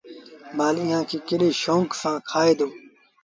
مآل ايٚئآݩ ڪڏآݩ کي شوڪ سآݩ کآئي دو۔